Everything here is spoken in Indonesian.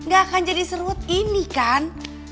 gak akan jadi serut ini kan